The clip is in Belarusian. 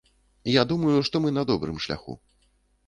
Я думаю, што мы на добрым шляху.